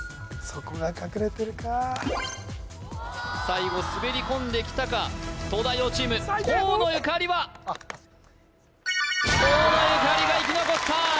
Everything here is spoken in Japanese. そこが隠れてるか最後滑り込んできたか東大王チーム河野ゆかりは河野ゆかりが生き残った！